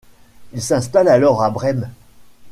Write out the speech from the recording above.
Il s'installe alors à Brême.